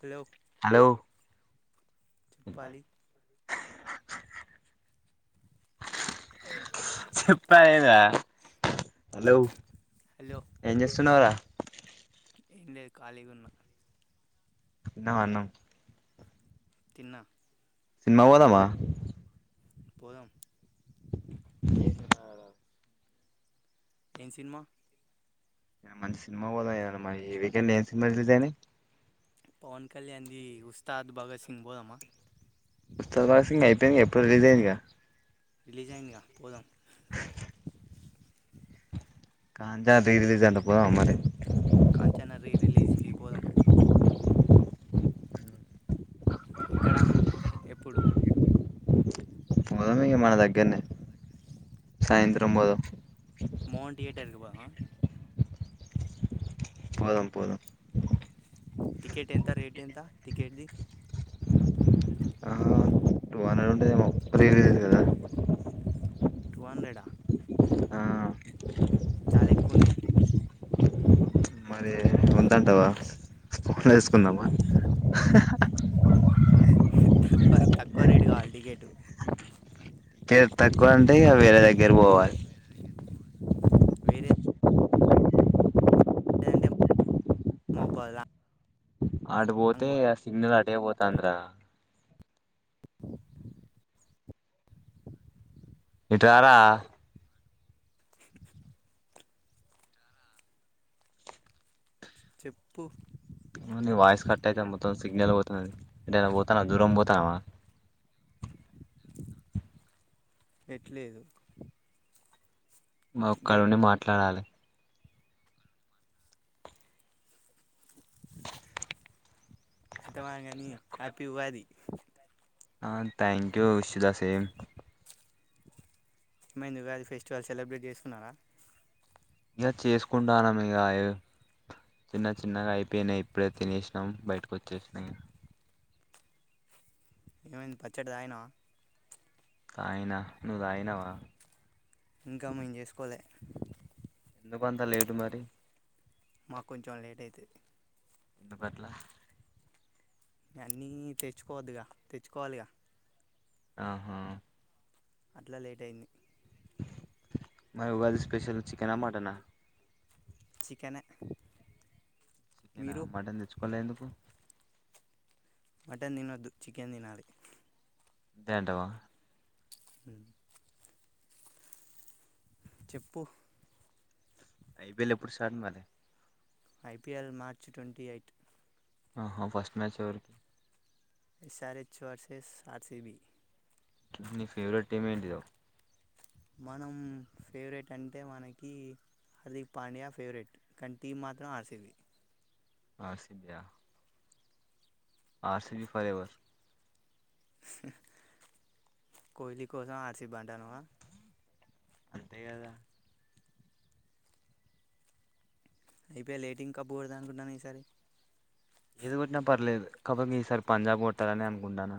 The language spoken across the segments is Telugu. హలో హలో చెప్పాలి హలో హలో ఏం చేస్తున్నావురా ఏం లేదు ఖాళీగా ఉన్నా తిన్నావ అన్నం తిన్నా సినిమా పోదమా పోదాం ఏం సినిమా న మంచి సినిమా పోదాం ఇయ్యాల మరి ఈ వీకెండ్ ఏం సినిమా రిలీజ్ అయినాయి పవన్ కళ్యాణ్ ది ఉస్తాద్ భగత్ సింగ్ పోదామా ఉస్తాద్ భగత్ సింగ్ అయిపోయింది ఎప్పుడో రలీజ్ అయింది గా రిలీజ్ అయిందిగా పోదాం కాంజా రిలీజ్ అంట పోదమా మరి కాంచన రీ రిలీజ్కి పోదాం ఇక్కడ ఎప్పుడు పోదాం ఇగ మన దగ్గరనే సాయంత్రం పోద మోహన్ థియేటర్కి పోదామా పోదాం పోదాం టికెట్ ఎంత రేట్ ఎంత టికెట్ ది ఆ టూ హండ్రెడ్ ఉంటది కదా ఫ్రీ రిలీజ్ ది కదా టూ హండ్రెడ్ ఆ ఆ చాలా ఎక్కువుంది మరి అంతంటావా ఫోన్ల వేసుకుందామా తక్కువ తక్కువ రేటు కావాలి టికెటు కే తక్కువ అంటే ఇగ వేరే దగ్గర పోవాలి వేరే లేదంటే మొబైల్ ల ఆడిపోతే ఆ సిగ్నల్ అటే పోతాంది రా ఇటురా రా చెప్పు [unintelligible] నీ వాయిస్ కట్ ఐతాంది మొత్తం సిగ్నల్ పోతాంది ఎటైనా పోతాన్నా దూరం పోతానవా ఎటు లేదు మా ఒక్కడుండి మాట్లాడాలి అయితే [unintelligible] గాని హ్యాపీ ఉగాది ఆ thank you wish you the same మైంది ఉగాది ఫెస్టివల్ సెలబ్రేట్ చేసుకున్నారా ఇక చేసుకుంటానాం ఇగ చిన్న చిన్నగా అయిపోయినా ఇప్పుడే తినేసినాం బయటకు వచ్చేసినా ఏమైంది పచ్చడి తాగినావా తాగినా నువ్వు తాగినావా ఇంకా మేం చేసుకోలే ఎందుకుంత లేటు మరి మాకు కొంచెం లేట్ ఐతది ఎందుకట్ల అన్నీ తెచ్చుకోవద్దుగా తెచ్చుకోవాలిగా ఆహా అట్లా లేట్ అయింది మరి ఉగాది స్పెషల్ చికెనా మటనా చికెనే చికెనా మీరు మటన్ తెచ్చుకోలే ఎందుకు మటన్ తినొద్దు చికెన్ తినాలి అంతే అంటవా హ్మ్ చెప్పు ఐ పి ఎల్ ఎప్పుడు స్టార్ట్ మరి ఐపీఎల్ మార్చి ట్వంటీ ఎయిట్ ఆహా ఫస్ట్ మ్యాచ్ ఎవరికి ఈసారి చోర్సెస్ ఆర్సీబీ నీ ఫేవరెట్ టీమ్ ఏంటిదో మనం ఫేవరెట్ అంటే మనకి హార్దిక్ పాండ్యా ఫేవరెట్ కానీ, టీమ్ మాత్రం ఆర్సీబి. ఆర్ సీ బ్యా ఆర్సీబి ఫర్ ఎవర్ కోహ్లి కోసం ఆర్సీబీ అంటనావా అంతే కదా అయిపోయా లేటింగ్ కప్పుడద అనుకుంటన్నాను ఈసారి ఏది కొట్టి పర్లేదు కాబటితే ఈసారి పంజాబ్ కొట్టాలని అనుకుంటాను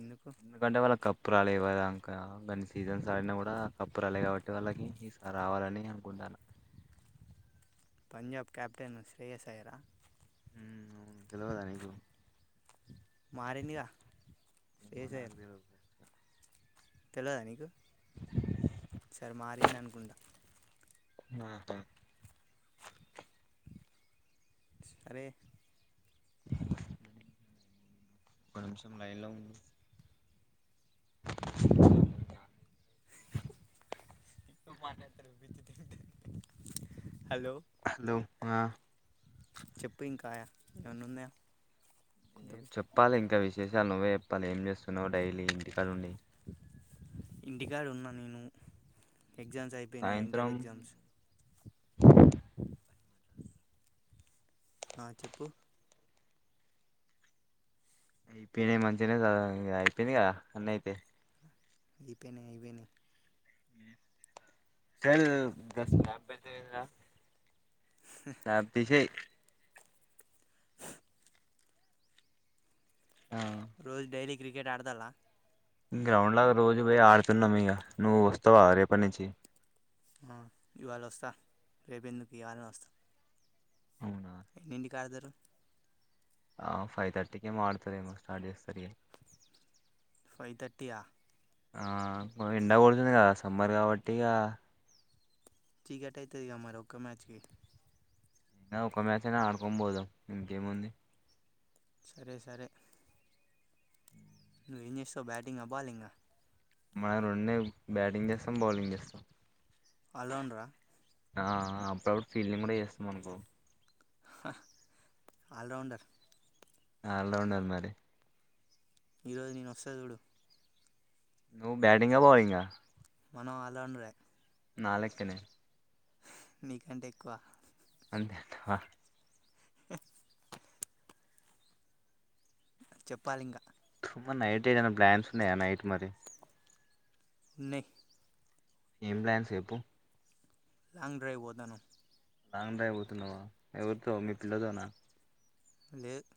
ఎందుకు ఎందుకంటే వాళ్ళకి కప్పు రాలేవంకా కానీ సీజన్స్ ఆడినా కూడా కప్పు రాలే కాబట్టి వాళ్ళకి ఈసారి రావాలని ననుకుంట పంజాబ్ కెప్టెన్ శ్రేయస్ అయ్యరా మ్మ్ అవును తెలివదా నీకు మారిందిగా ఫ్రీ ఏమో నాకు ఫైర్ తెలవదు తెలివదా నీకు సరే మారింది అనుకుంటా ఆ అ ఒక్క నిమిషం లైన్ లో ఉంది ఇప్పు మాదయాత్రించ హలో ఆ చెప్పు ఇం కాయా ఏమను ఉందా ఏ చెప్పాలి ఇంకా విశేషాలు నువ్వే చెప్పాలి ఏం చేస్తున్నావు డైలీ ఇ కారణండి ఇంటికాడు ఉన్న నేను ఎగ్జామ్స్ అయిపోయినాయి ఇంటర్ సాయంత్రం ఎగ్జామ్స్ ఆ చెప్పు అయిపోయినాయి మంచిగానే చవ అయిపోయింది కదా అన్నీ అయితే ఇపోనే ఇపోనే సర దస్ స రోజ్ డైలీ క్రికెట్ ఆడదాల్ల గ్రౌండ్ లాగా రోజు పోయి ఆడుతున్నా ఇగ నువ్ వస్తావా రేప్ ప్పనిచ్చి అ ఇవాళ ఒస్తా రేవెందుకు ఇవాళనె వస్తా అవును ఎన్ని కాదరు ఆ ఫైవ్ థర్టీకే ఆడుతారేమో స్టార్ట్ చేస్తారు ఇగ ఫై థర్టీ యా ఆ ఎండ గొడుతుంది కదా సమ్మర్ కాబ ఇగ చీకటితాదిగా ఇగ మరి ఒకే మ్యాచ్కి ఇకా ఒక మ్యాచ్ అయినా ఆడుకో పోదాం ఇంకేముంది సరే సరే నువ్వు ఏం చేస్తావు బ్యాటింగ్ ఆ బాలింగ్ మనం రెండు బ్యాటింగ్ చేస్తాం బౌలింగ్ చేస్తాం అలన్రా ఆ అప్పుడప్పుడు ఫీల్డింగ్ కూడా చేస్తాం అనుకో ఆల రౌండ్డర్ ఆల్ రౌండర్ మరి ఈరోజు నేను వస్తా చూడు నువ్వు బ్యాటింగ బౌలింగ మనం అల్ రౌండరే నాలక్కనే నీ కంటే ఎక్కువ తె అంటవా [unintelligible] చెప్పాలింగ మ్ నైట్ ఏదనా బ్లాన్స్ ఉన్నాయా నైట్ మరి ఉన్నయ్ ఏం ప్లాన్ సేపు లాంగ్ డ్రైవ్ ఓదానమ్ లాంగ్ డ్రైవ్ వోతున్నావా ఎవరితో మీ పిల్లతోనా లేద్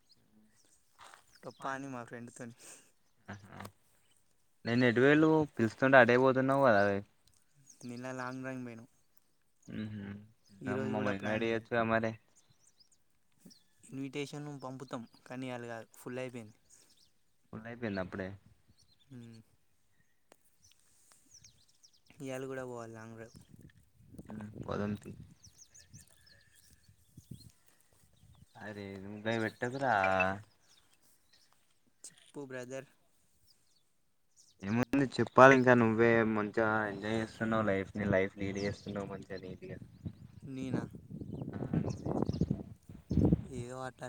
గొప్ప అని మా ఫ్రెండ్తోని ఆ, నేను ఎటువేళ్ళు పిలుస్తుంటే అడేపోతున్నావు కదవి నిన్న లాంగ్ డ్రైవింగ్ పోయినాం ఉహు ఈరోజు కూడా మమ్మీని ప్లాన్ ఉంది ఏడిచ్చగ మరి ఇన్విటేషను పంపుతాం కానీ అళ్ళ కాదు ఫుల్ అయిపోయింది ఉలైపోన్ ద అప్పుడే హు ఇయాళ కూడా వోవాలి లాంగ్ డ్రై పోదాం తియ్ అదెంటాయి పెట్టకురా చెప్పు బ్రదర్ ఏమ చెప్పాలి ఇంకా నువ్వే మంచిగా ఎంజాయ్ చేస్తున్నావు లైఫ్ ని లైఫ్ లీడ్ చేస్తున్నావు మంచిగా నీటిగా నేనా ఏదో అట్లా